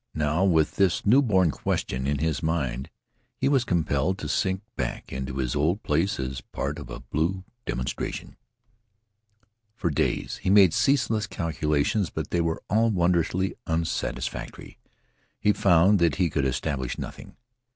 Now, with the newborn question in his mind, he was compelled to sink back into his old place as part of a blue demonstration. For days he made ceaseless calculations, but they were all wondrously unsatisfactory. He found that he could establish nothing.